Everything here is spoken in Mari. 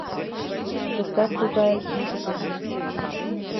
Туштат тугаяк йӱд гын?..